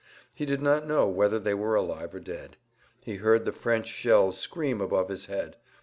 He did not know whether they were alive or dead. He heard the French shells scream above his head.